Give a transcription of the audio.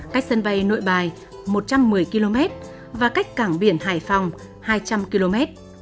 cách sân bay nội bài một trăm một mươi km và cách cảng biển hải phòng hai trăm linh km